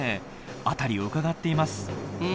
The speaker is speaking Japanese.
あたりをうかがっています。